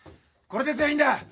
これで全員だ。